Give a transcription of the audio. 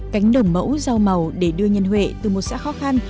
cánh đồng mẫu rau màu để đưa nhân huệ từ một xã khó khăn